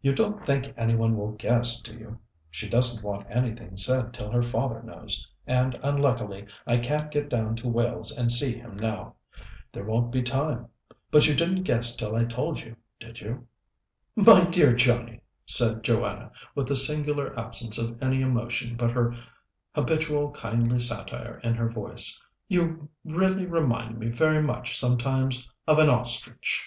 "You don't think any one will guess, do you? She doesn't want anything said till her father knows, and unluckily I can't get down to Wales and see him now. There won't be time. But you didn't guess till I told you, did you?" "My dear Johnnie," said Joanna, with a singular absence of any emotion but her habitual kindly satire in her voice, "you really remind me very much sometimes of an ostrich!"